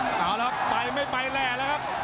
เอาละครับไปไม่ไปแร่แล้วครับ